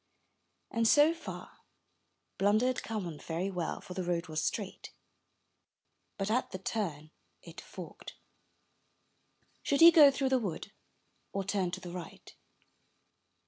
And so far Blunder had come on very well for the road was straight; but at the turn it forked. 314 UP ONE PAIR OF STAIRS Should he go through the wood or turn to the right?